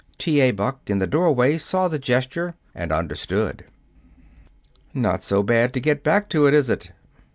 T. A. Buck, in the doorway, saw the gesture and understood. "Not so bad to get back to it, is it?"